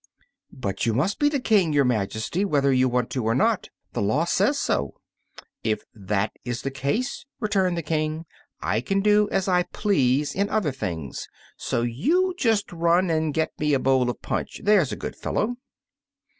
"But you must be the King, your Majesty, whether you want to or not. The law says so." "If that's the case," returned the King, "I can do as I please in other things. So you just run and get me a bowl of punch, there's a good fellow."